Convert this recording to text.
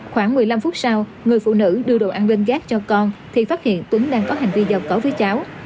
khoảng một mươi năm phút sau người phụ nữ đưa đồ ăn lên gác cho con thì phát hiện tuấn đang có hành vi giao cấu với cháu